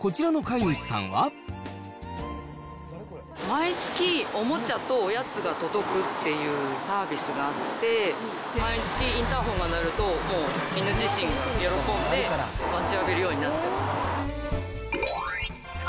毎月、おもちゃとおやつが届くっていうサービスがあって、毎月、インターホンが鳴ると、もう、犬自身が喜んで、待ちわびるようになってます。